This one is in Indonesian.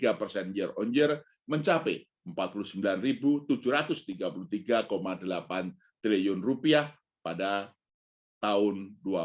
hingga mencapai rp empat puluh sembilan tujuh ratus tiga puluh tiga delapan triliun untuk tahun dua ribu dua puluh dua